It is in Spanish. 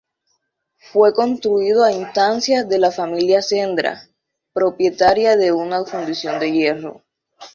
Fue construido a instancias de la familia Sendra, propietaria de una fundición de hierro.